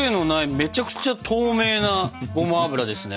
めちゃくちゃ透明なごま油ですね。